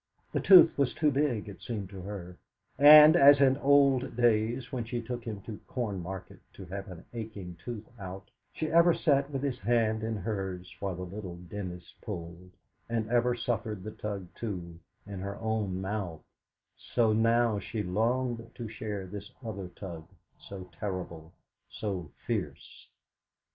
The tooth was too big, it seemed to her; and, as in old days, when she took him to Cornmarket to have an aching tooth out, she ever sat with his hand in hers while the little dentist pulled, and ever suffered the tug, too, in her own mouth, so now she longed to share this other tug, so terrible, so fierce.